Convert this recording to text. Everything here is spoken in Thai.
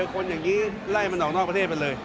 คนอย่างนี้ไล่มันออกนอกประเทศไปเลย